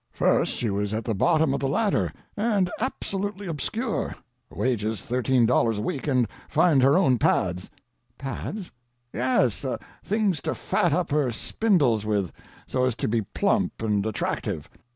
First, she was at the bottom of the ladder, and absolutely obscure—wages thirteen dollars a week and find her own pads." "Pads?" "Yes—things to fat up her spindles with so as to be plump and attractive.